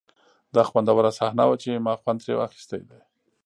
دا خوندوره صحنه وه چې ما خوند ترې اخیستی دی